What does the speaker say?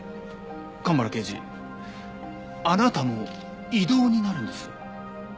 蒲原刑事あなたも異動になるんです。